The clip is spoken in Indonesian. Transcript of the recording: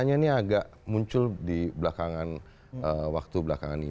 fenomenalnya ini agak muncul di belakangan waktu belakangan ini